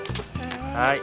はい。